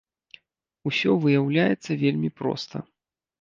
Усё выяўляецца вельмі проста.